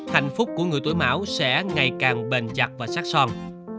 hạnh phúc của người tuổi mảo sẽ ngày càng bền chặt và sắc sạch